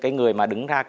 cái người mà đứng ra